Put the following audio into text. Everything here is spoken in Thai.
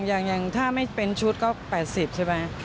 อย่างอย่างที่ไม่เป็นชุดก็๘๐ใช่ไหม